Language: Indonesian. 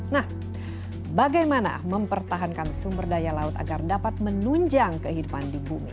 nah bagaimana mempertahankan sumber daya laut agar dapat menunjang kehidupan di bumi